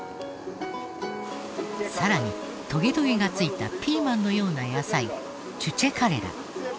さらにトゲトゲが付いたピーマンのような野菜チュチェカレラ。